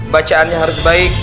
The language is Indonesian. bacaannya harus baik